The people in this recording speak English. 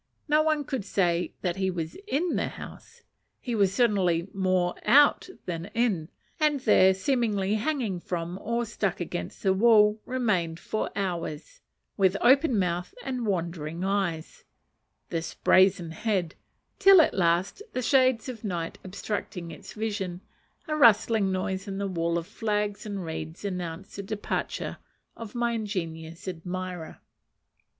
No one could say he was in the house. He was certainly more out than in; and there, seemingly hanging from, or stuck against the wall, remained for hours, with open mouth and wondering eyes, this brazen head; till at last, the shades of night obstructing its vision, a rustling noise in the wall of flags and reeds announced the departure of my ingenious admirer.